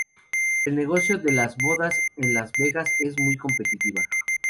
El negocio de las bodas en Las Vegas es muy competitiva.